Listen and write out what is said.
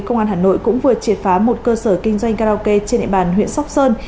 công an hà nội cũng vừa triệt phá một cơ sở kinh doanh karaoke trên địa bàn huyện sóc sơn